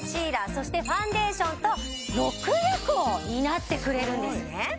そしてファンデーションと６役を担ってくれるんですね